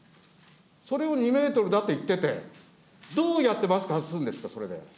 それを２メートルだと言ってて、どうやってマスク外すんですか、それで。